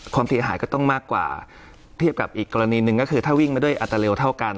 เสียหายก็ต้องมากกว่าเทียบกับอีกกรณีหนึ่งก็คือถ้าวิ่งมาด้วยอัตราเร็วเท่ากัน